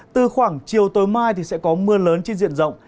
từ khoảng chiều tối mai thì sẽ có mưa lớn trên diện rộng